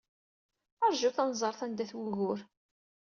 Rjut ad neẓret anda-t wugur.